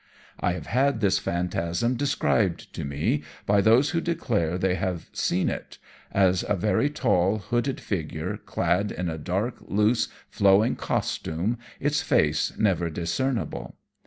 I have had this phantasm described to me, by those who declare they have seen it, as a very tall, hooded figure, clad in a dark, loose, flowing costume its face never discernible.